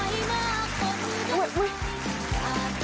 อย่าตัดสินคนที่เลวขนกันไป